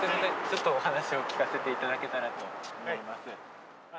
ちょっとお話を聞かせて頂けたらと思います。